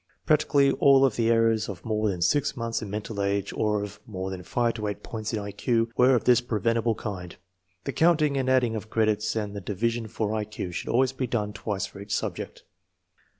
Practically all of the errors of more than G months in mental age, or of more than 5 to 8 points in I Q, were of this preventable kind. The counting and adding of credits and the divi sion for I Q should always be done twice for each sub ject.